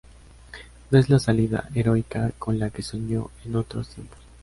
No es la salida heroica con la que soñó en otros tiempos.